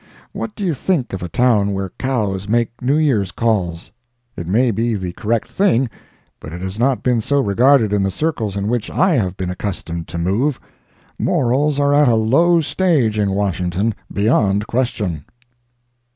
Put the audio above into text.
What do you think of a town where cows make New Year's calls? It may be the correct thing, but it has not been so regarded in the circles in which I have been accustomed to move. Morals are at a low stage in Washington, beyond question.